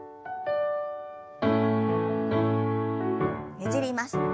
ねじります。